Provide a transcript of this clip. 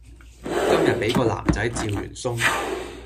今日俾個男仔趙完鬆